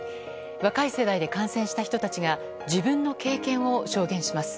若い世代で感染した人たちが自分の経験を証言します。